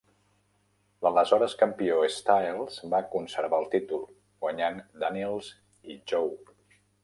L'aleshores campió Styles va conservar el títol, guanyant Daniels i Joe.